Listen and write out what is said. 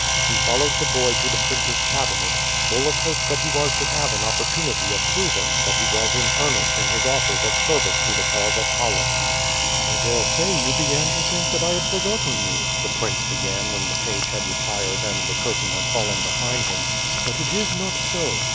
He followed the boy to the prince's cabinet, full of hope that he was to have an opportunity of proving that he was in earnest in his offers of service to the cause of Holland. "I daresay you began to think that I had forgotten you," the prince began when the page had retired and the curtain had fallen behind him, "but it is not so.